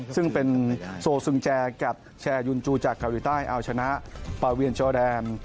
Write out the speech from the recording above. ซึ่งเป็นโซซึงแจกับแชร์ยุนจูจากเกาหลีใต้เอาชนะปาเวียนจอแดน